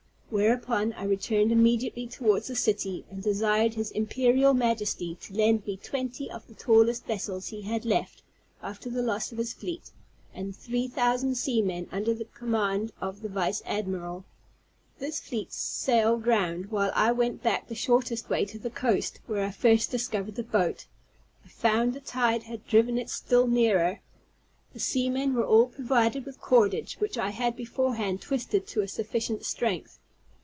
Whereupon I returned immediately towards the city, and desired his Imperial Majesty to lend me twenty of the tallest vessels he had left after the loss of his fleet, and three thousand seamen, under the command of the vice admiral. This fleet sailed round, while I went back the shortest way to the coast, where I first discovered the boat; I found the tide had driven it still nearer. The seamen were all provided with cordage, which I had beforehand twisted to a sufficient strength.